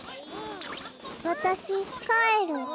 わたしかえる。